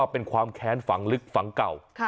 เป็นความแค้นฝังลึกฝังเก่า